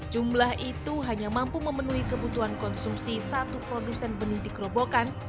jumlah itu hanya mampu memenuhi kebutuhan konsumsi satu produsen benih di kerobokan